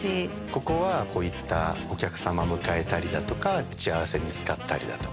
ここはこういったお客さま迎えたりだとか打ち合わせに使ったりだとか。